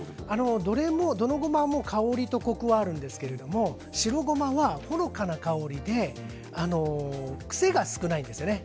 どのごまも香りとコクはありますが、白ごまはほのかな香りで癖が少ないんですね。